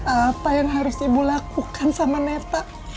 apa yang harus ibu lakukan sama neta